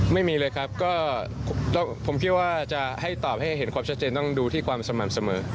ไม่มีเลยครับก็แล้วผมคิดว่าจะให้ตอบให้เห็นความชัดเจนต้องดูที่ความสม่ำเสมอ